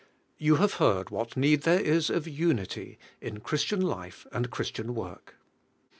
YOU have heard what need there is of unity in Christian life and Christian work.